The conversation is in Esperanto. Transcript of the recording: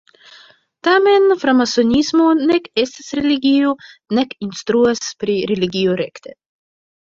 Tamen, framasonismo nek estas religio, nek instruas pri religio rekte.